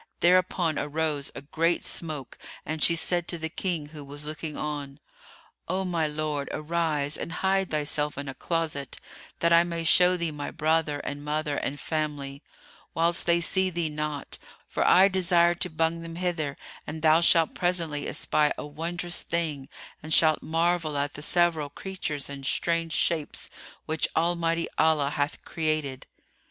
Thereupon arose a great smoke and she said to the King, who was looking on, "O my lord, arise and hide thyself in a closet, that I may show thee my brother and mother and family, whilst they see thee not; for I design to bring them hither, and thou shalt presently espy a wondrous thing and shalt marvel at the several creatures and strange shapes which Almighty Allah hath created."